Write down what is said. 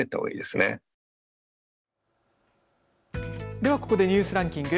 では、ここでニュースランキング。